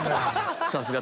さすが！